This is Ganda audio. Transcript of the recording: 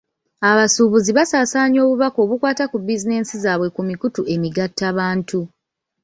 Abasuubuzi basaasaanya obubaka obukwata ku bizinensi zaabwe ku mikutu emigattabantu.